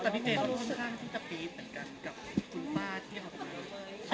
แต่พี่เจนก็รู้สึกว่าที่จะพีชเหมือนกันกับคุณป้าที่บอกว่า